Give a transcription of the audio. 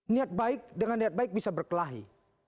niat baik dengan niat baik bisa berkelahi